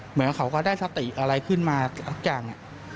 เหมือนเขาก็ได้สติอะไรขึ้นมาสักอย่าง